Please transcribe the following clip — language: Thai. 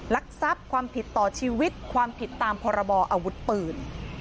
ลักทรัพย์ความผิดต่อชีวิตความผิดตามพรบออาวุธปืน